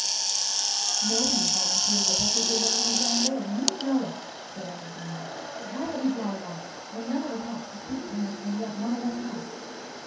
"Nobody'll volunteer, Rebecca Rowena Randall, and you know it," said Emma Jane. "Why don't we draw lots, when none of us wants to speak to him and yet one of us must?"